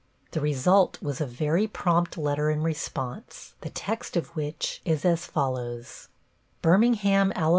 The result was a very prompt letter in response, the text of which is as follows: Birmingham, Ala.